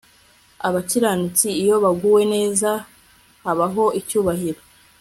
abakiranutsi iyo baguwe neza habaho icyubahiro